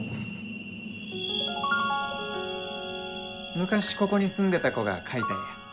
昔ここに住んでた子が描いた絵や。